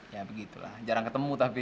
ya begitulah jarang ketemu tapi